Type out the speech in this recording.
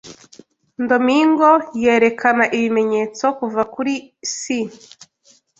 Domingo yerekana ibimenyetso kuva kuri si